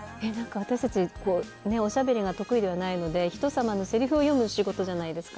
私たちおしゃべりが得意じゃないので人様のセリフを読む仕事じゃないですか。